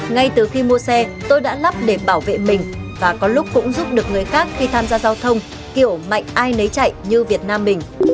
ngay từ khi mua xe tôi đã lắp để bảo vệ mình và có lúc cũng giúp được người khác khi tham gia giao thông kiểu mạnh ai nấy chạy như việt nam mình